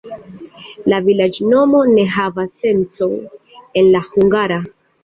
La vilaĝnomo ne havas sencon en la hungara.